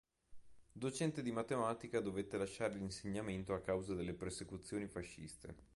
Docente di matematica dovette lasciare l'insegnamento a causa delle persecuzioni fasciste.